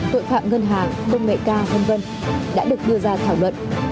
tội phạm ngân hàng công nghệ cao thông dân đã được đưa ra thảo luận